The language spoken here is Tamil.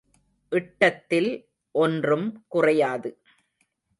இட்டத்தில் ஒன்றும் குறையாது.